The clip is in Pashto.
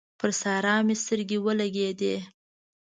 پر سارا مې سترګې ولګېدل